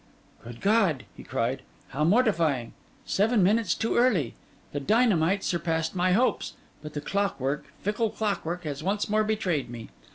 'Good God!' he cried, 'how mortifying! seven minutes too early! The dynamite surpassed my hopes; but the clockwork, fickle clockwork, has once more betrayed me.